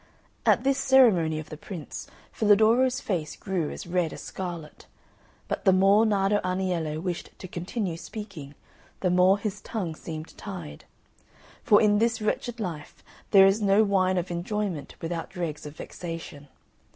At this ceremony of the prince, Filadoro's face grew as red as scarlet. But the more Nardo Aniello wished to continue speaking, the more his tongue seemed tied; for in this wretched life there is no wine of enjoyment without dregs of vexation.